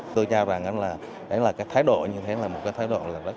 tôi chào rằng là cái thái độ như thế là một cái thái độ